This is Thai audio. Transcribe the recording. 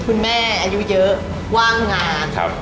คุณแม่อายุเยอะว่างงาน